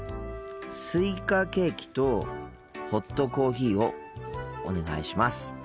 スイカケーキとホットコーヒーをお願いします。